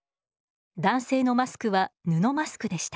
男性のマスクは布マスクでした。